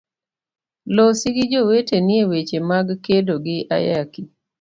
Losi gi joweteni eweche mag kedo gi ayaki.